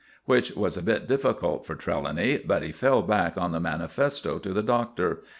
Which was a bit difficult for Trelawny; but he fell back on the manifesto to the Doctor.